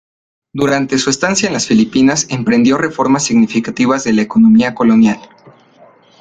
Durante su estancia en las Filipinas emprendió reformas significativas de la economía colonial.